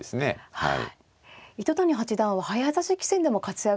はい。